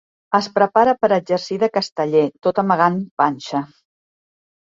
Es prepara per exercir de casteller, tot amagant panxa.